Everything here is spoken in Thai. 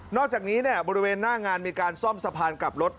อกจากนี้บริเวณหน้างานมีการซ่อมสะพานกลับรถ